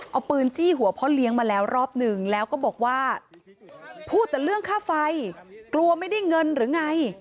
เอาปืนจี้หัวพ่อเลี้ยงมาแล้วรอบหนึ่งแล้วก็บอกว่าพูดแต่เรื่องค่าไฟกลัวไม่ได้เงินหรือไง